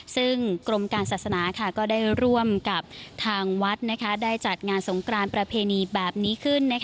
ซึ่งกรมการศาสนาก็ได้ร่วมกับทางวัดได้จัดงานสงกรานประเพณีแบบนี้ขึ้น